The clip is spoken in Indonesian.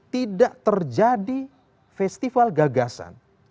tidak terjadi festival gagasan